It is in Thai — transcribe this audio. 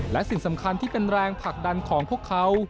และสิ่งสำคัญที่เป็นแรงผลักดันของพวกเขา